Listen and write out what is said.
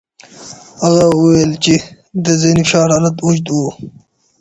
هغې وویل چې د ذهني فشار حالت اوږد و.